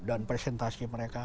dan presentasi mereka